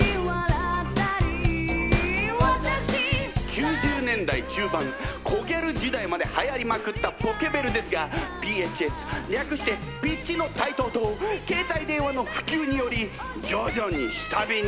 ９０年代中盤コギャル時代まではやりまくったポケベルですがＰＨＳ略してピッチの台頭と携帯電話の普及により徐々に下火に。